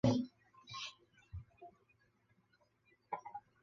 以前认为居酒屋一定要有肉类饭菜。